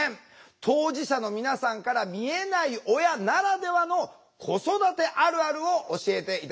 当事者の皆さんから見えない親ならではの子育てあるあるを教えて頂きたいと思います。